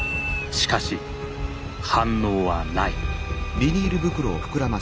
しかし反応はない。